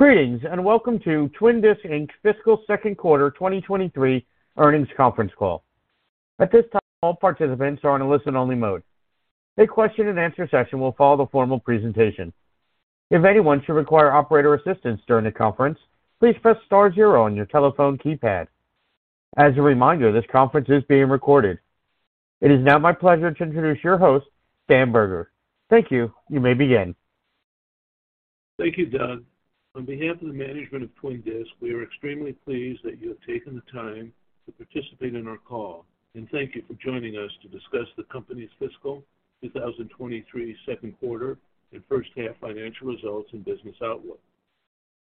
Greetings, welcome to Twin Disc, Inc. fiscal Q2 2023 earnings conference call. At this time, all participants are on a listen-only mode. A question and answer session will follow the formal presentation. If anyone should require operator assistance during the conference, please press star zero on your telephone keypad. As a reminder, this conference is being recorded. It is now my pleasure to introduce your host, Stan Berger. Thank you. You may begin. Thank you, Doug. On behalf of the management of Twin Disc, we are extremely pleased that you have taken the time to participate in our call, and thank you for joining us to discuss the company's fiscal 2023 Q2 and first half financial results and business outlook.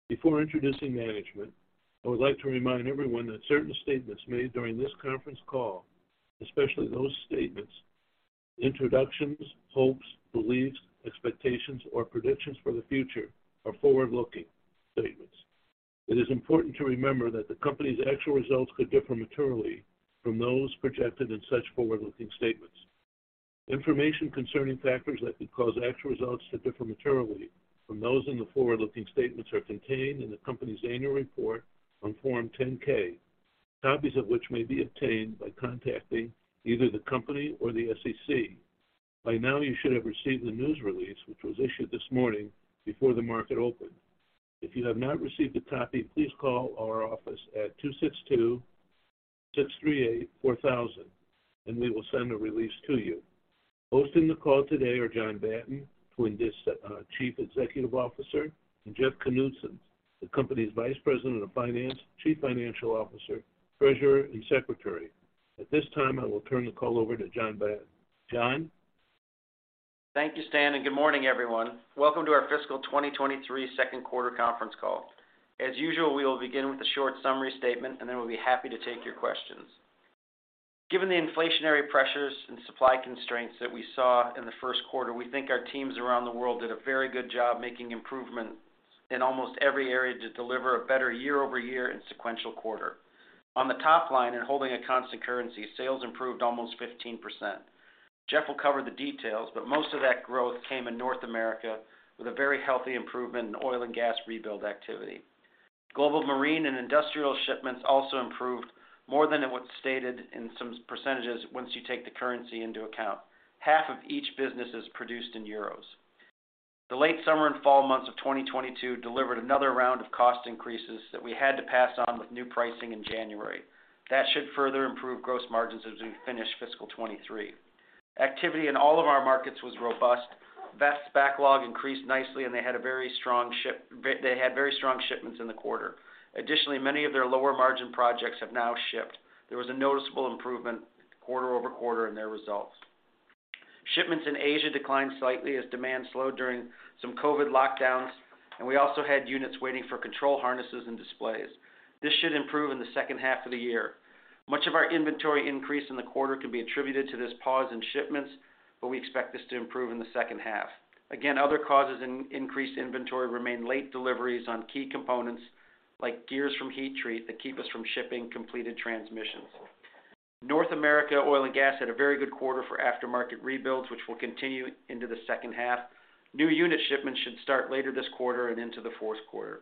Before introducing management, I would like to remind everyone that certain statements made during this conference call, especially those statements, introductions, hopes, beliefs, expectations, or predictions for the future are forward-looking statements. It is important to remember that the company's actual results could differ materially from those projected in such forward-looking statements. Information concerning factors that could cause actual results to differ materially from those in the forward-looking statements are contained in the company's annual report on Form 10-K, copies of which may be obtained by contacting either the company or the SEC. By now, you should have received the news release, which was issued this morning before the market opened. If you have not received a copy, please call our office at 262-638-4000. We will send a release to you. Hosting the call today are John Batten, Twin Disc's Chief Executive Officer, and Jeff Knutson, the company's Vice President of Finance, Chief Financial Officer, Treasurer, and Secretary. At this time, I will turn the call over to John Batten. John? Thank you, Stan. Good morning, everyone. Welcome to our fiscal 2023 Q2 conference call. As usual, we will begin with a short summary statement, and then we'll be happy to take your questions. Given the inflationary pressures and supply constraints that we saw in the Q1, we think our teams around the world did a very good job making improvements in almost every area to deliver a better year-over-year and sequential quarter. On the top line and holding a constant currency, sales improved almost 15%. Jeff will cover the details, but most of that growth came in North America with a very healthy improvement in oil and gas rebuild activity. Global marine and industrial shipments also improved more than what's stated in some percentages once you take the currency into account. Half of each business is produced in euros. The late summer and fall months of 2022 delivered another round of cost increases that we had to pass on with new pricing in January. That should further improve gross margins as we finish fiscal 2023. Activity in all of our markets was robust. Veth's backlog increased nicely, they had very strong shipments in the quarter. Additionally, many of their lower margin projects have now shipped. There was a noticeable improvement quarter-over-quarter in their results. Shipments in Asia declined slightly as demand slowed during some COVID lockdowns, we also had units waiting for control harnesses and displays. This should improve in the second half of the year. Much of our inventory increase in the quarter can be attributed to this pause in shipments, we expect this to improve in the second half. Other causes in increased inventory remain late deliveries on key components like gears from heat treat that keep us from shipping completed transmissions. North America oil and gas had a very good quarter for aftermarket rebuilds, which will continue into the second half. New unit shipments should start later this quarter and into the Q4.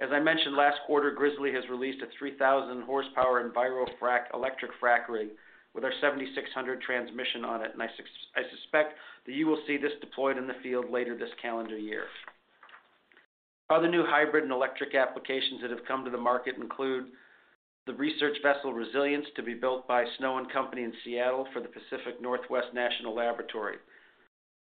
As I mentioned last quarter, Grizzly has released a 3,000 horsepower EnviroFrac electric frac rig with our 7600 transmission on it, I suspect that you will see this deployed in the field later this calendar year. Other new hybrid and electric applications that have come to the market include the research vessel Resilience to be built by Snow & Company in Seattle for the Pacific Northwest National Laboratory.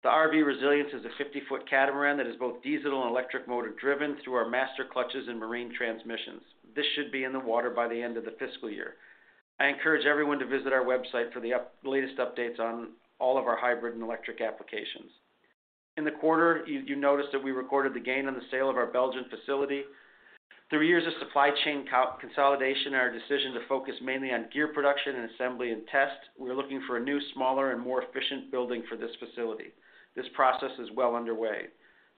The RV Resilience is a 50-foot catamaran that is both diesel and electric motor-driven through our master clutches and marine transmissions. This should be in the water by the end of the fiscal year. I encourage everyone to visit our website for the latest updates on all of our hybrid and electric applications. In the quarter, you noticed that we recorded the gain on the sale of our Belgian facility. Through years of supply chain consolidation and our decision to focus mainly on gear production and assembly and test, we're looking for a new, smaller, and more efficient building for this facility. This process is well underway.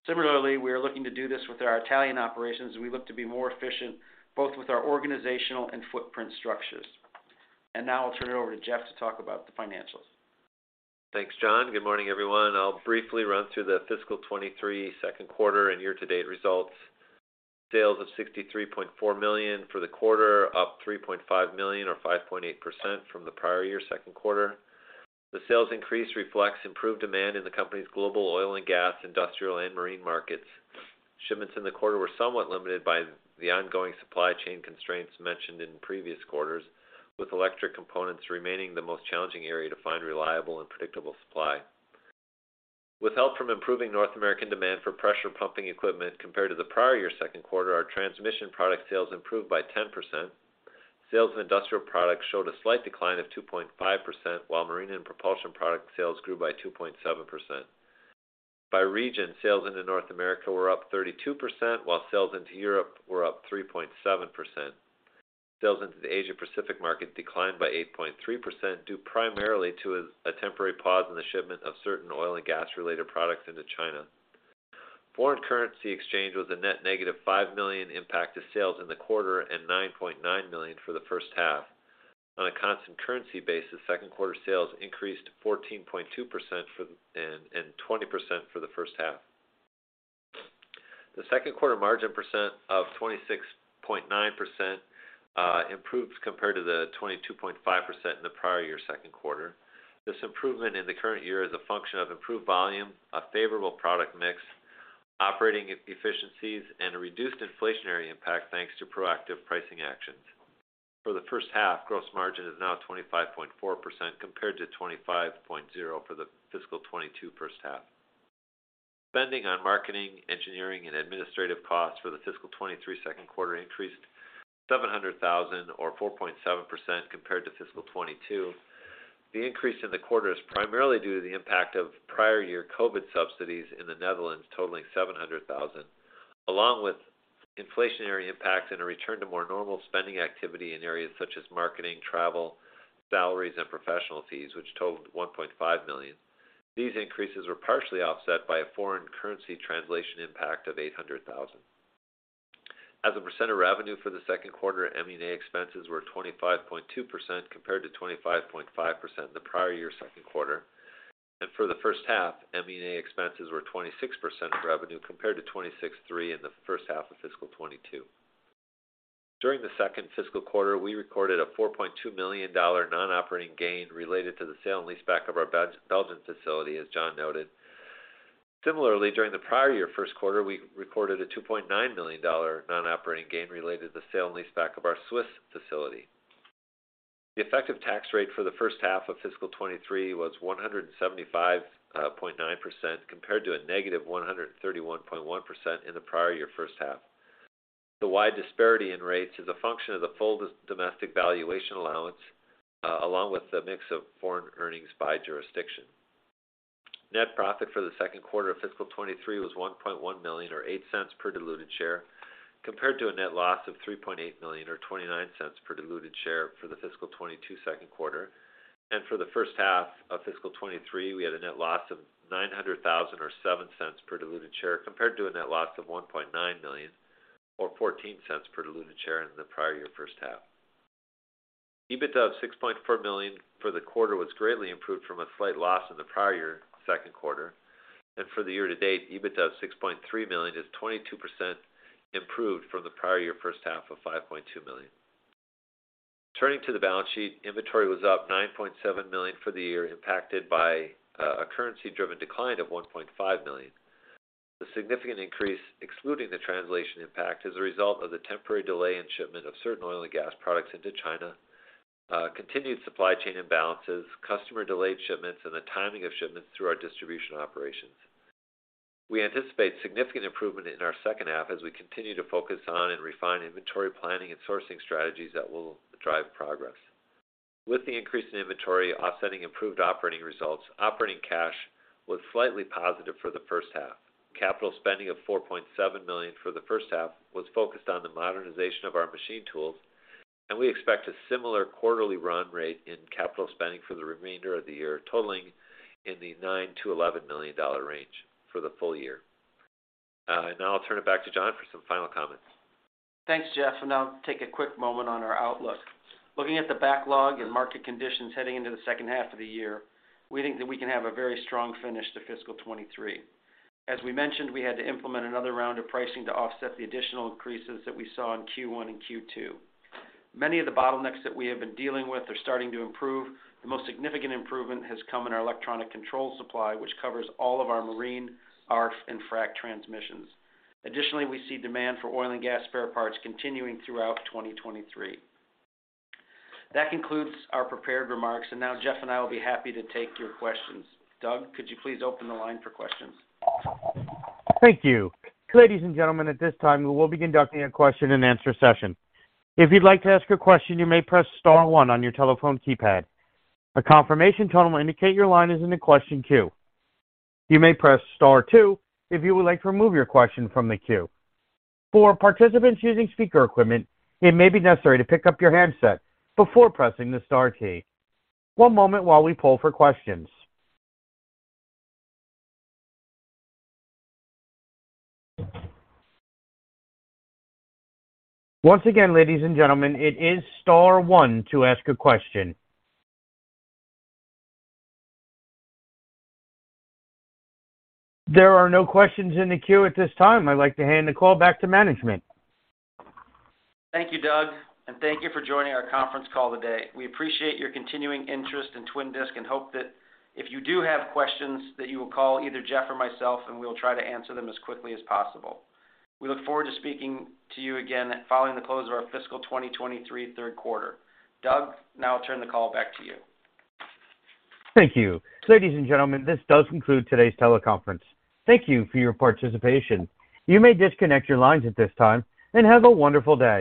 Similarly, we are looking to do this with our Italian operations, we look to be more efficient both with our organizational and footprint structures. Now I'll turn it over to Jeff to talk about the financials. Thanks, John. Good morning, everyone. I'll briefly run through the fiscal 2023 Q2 and year-to-date results. Sales of $63.4 million for the quarter, up $3.5 million or 5.8% from the prior year Q2. The sales increase reflects improved demand in the company's global oil and gas, industrial, and marine markets. Shipments in the quarter were somewhat limited by the ongoing supply chain constraints mentioned in previous quarters, with electric components remaining the most challenging area to find reliable and predictable supply. With help from improving North American demand for pressure pumping equipment compared to the prior year Q2, our transmission product sales improved by 10%. Sales in industrial products showed a slight decline of 2.5%, while marine and propulsion product sales grew by 2.7%. By region, sales into North America were up 32%, while sales into Europe were up 3.7%. Sales into the Asia Pacific market declined by 8.3%, due primarily to a temporary pause in the shipment of certain oil and gas-related products into China. Foreign currency exchange was a net negative $5 million impact to sales in the quarter and $9.9 million for the first half. On a constant currency basis, Q2 sales increased 14.2% and 20% for the first half. The Q2 margin percent of 26.9% improved compared to the 22.5% in the prior year Q2. This improvement in the current year is a function of improved volume, a favorable product mix, operating efficiencies, and a reduced inflationary impact thanks to proactive pricing actions. For the first half, gross margin is now 25.4% compared to 25.0% for the fiscal 2022 first half. Spending on marketing, engineering, and administrative costs for the fiscal 2023 Q2 increased $700,000 or 4.7% compared to fiscal 2022. The increase in the quarter is primarily due to the impact of prior year COVID subsidies in the Netherlands, totaling $700,000, along with inflationary impacts and a return to more normal spending activity in areas such as marketing, travel, salaries, and professional fees, which totaled $1.5 million. These increases were partially offset by a foreign currency translation impact of $800,000. As a percent of revenue for the Q2, M&A expenses were 25.2% compared to 25.5% in the prior year Q2. For the first half, M&A expenses were 26% of revenue compared to 26.3% in the first half of fiscal 2022. During the second fiscal quarter, we recorded a $4.2 million non-operating gain related to the sale and leaseback of our Belgian facility, as John noted. Similarly, during the prior year Q1, we recorded a $2.9 million non-operating gain related to the sale and leaseback of our Swiss facility. The effective tax rate for the first half of fiscal 2023 was 175.9% compared to a negative 131.1% in the prior year first half. The wide disparity in rates is a function of the full domestic valuation allowance along with the mix of foreign earnings by jurisdiction. Net profit for the Q2 of fiscal 2023 was $1.1 million or $0.08 per diluted share, compared to a net loss of $3.8 million or $0.29 per diluted share for the fiscal 2022 Q2. For the first half of fiscal 2023, we had a net loss of $900,000 or $0.07 per diluted share, compared to a net loss of $1.9 million or $0.14 per diluted share in the prior year first half. EBITDA of $6.4 million for the quarter was greatly improved from a slight loss in the prior year Q2. For the year to date, EBITDA of $6.3 million is 22% improved from the prior year first half of $5.2 million. Turning to the balance sheet, inventory was up $9.7 million for the year, impacted by a currency driven decline of $1.5 million. The significant increase, excluding the translation impact, is a result of the temporary delay in shipment of certain oil and gas products into China, continued supply chain imbalances, customer delayed shipments, and the timing of shipments through our distribution operations. We anticipate significant improvement in our second half as we continue to focus on and refine inventory planning and sourcing strategies that will drive progress. With the increase in inventory offsetting improved operating results, operating cash was slightly positive for the first half. Capital spending of $4.7 million for the first half was focused on the modernization of our machine tools, and we expect a similar quarterly run rate in capital spending for the remainder of the year, totaling in the $9 million-$11 million range for the full year. Now I'll turn it back to John for some final comments. Thanks, Jeff. I'll take a quick moment on our outlook. Looking at the backlog and market conditions heading into the second half of the year, we think that we can have a very strong finish to fiscal 2023. As we mentioned, we had to implement another round of pricing to offset the additional increases that we saw in Q1 and Q2. Many of the bottlenecks that we have been dealing with are starting to improve. The most significant improvement has come in our electronic control supply, which covers all of our marine, RF, and frac transmissions. Additionally, we see demand for oil and gas spare parts continuing throughout 2023. That concludes our prepared remarks. Now Jeff and I will be happy to take your questions. Doug, could you please open the line for questions? Thank you. Ladies and gentlemen, at this time, we will be conducting a question and answer session. If you'd like to ask a question, you may press star one on your telephone keypad. A confirmation tone will indicate your line is in the question queue. You may press star two if you would like to remove your question from the queue. For participants using speaker equipment, it may be necessary to pick up your handset before pressing the star key. One moment while we pull for questions. Once again, ladies and gentlemen, it is star one to ask a question. There are no questions in the queue at this time. I'd like to hand the call back to management. Thank you, Doug, and thank you for joining our conference call today. We appreciate your continuing interest in Twin Disc and hope that if you do have questions that you will call either Jeff or myself, and we will try to answer them as quickly as possible. We look forward to speaking to you again following the close of our fiscal 2023 Q3. Doug, now I'll turn the call back to you. Thank you. Ladies and gentlemen, this does conclude today's teleconference. Thank you for your participation. You may disconnect your lines at this time, and have a wonderful day.